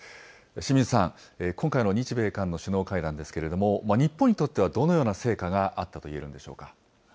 清水さん、今回の日米韓の首脳会談ですけれども、日本にとってはどのような成果があったといえるんでしょうか。